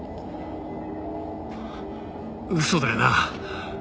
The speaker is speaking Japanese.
嘘だよな？